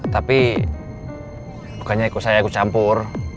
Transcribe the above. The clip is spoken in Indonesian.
tapi bukannya saya ikut campur